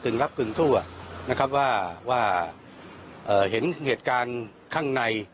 กึ่งรับกึ่งสู้อะนะครับว่าว่าเห็นเกาะการข้างใน